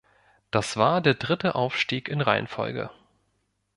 Das war der dritte Aufstieg in Reihenfolge.